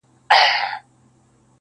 پاس پر پالنگه اكثر